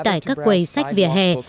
tại các quầy sách vỉa hè